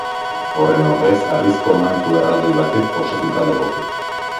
Horren ordez harrizko mantu erraldoi batez osatuta legoke.